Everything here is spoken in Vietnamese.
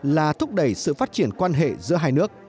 là thúc đẩy sự phát triển quan hệ giữa hai nước